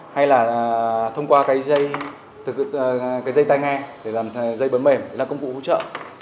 hay là thông qua cái dây tay nghe để làm dây bấm mềm là công cụ hỗ trợ